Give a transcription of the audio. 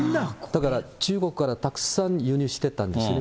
だから中国からたくさん輸入してたんですね。